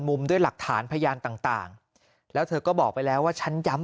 ด้วยหลักฐานพยานต่างแล้วเธอก็บอกไปแล้วว่าฉันย้ำ